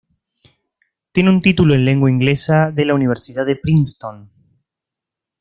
Tiene un título en lengua inglesa de la Universidad de Princeton.